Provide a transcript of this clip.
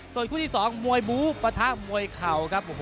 ส่วนคู่ที่๒มวยบูปะทะมวยเข่าครับ